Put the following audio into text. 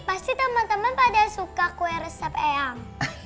pasti teman teman pada suka kue resep eyang